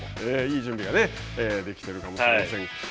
いい準備ができているかもしれません。